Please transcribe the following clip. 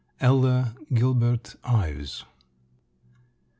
ELLA GILBERT IVES.